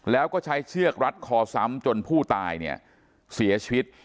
แล้วก็ใช้เชือกรัดคอซ้ำจนผู้ตายเนี่ยเสียชีวิต